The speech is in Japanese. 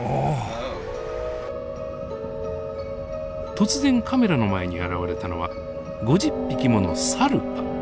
突然カメラの前に現れたのは５０匹ものサルパ。